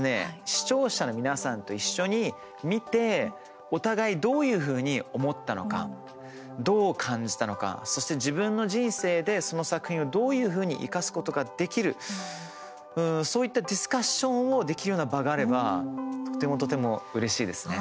視聴者の皆さんと一緒に見てお互いどういうふうに思ったのかどう感じたのかそして、自分の人生でその作品をどういうふうに生かすことができるそういったディスカッションをできるような場があればとてもとてもうれしいですね。